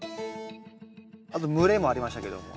あと蒸れもありましたけども。